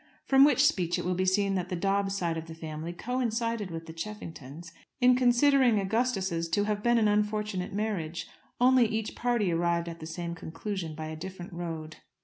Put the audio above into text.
From which speech it will be seen that the Dobbs side of the family coincided with the Cheffingtons in considering Augustus's to have been an unfortunate marriage; only each party arrived at the same conclusion by a different road.